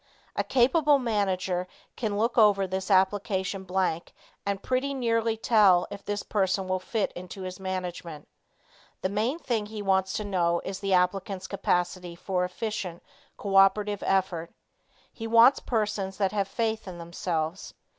A capable manager can look over this application blank and pretty nearly tell if this person will fit into his management. The main thing he wants to know is the applicant's capacity for efficient co operative effort. He wants persons that have faith in themselves.